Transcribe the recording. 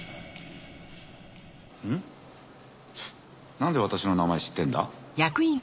なんで私の名前知ってんだ？